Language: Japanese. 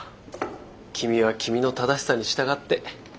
君は君の正しさに従って。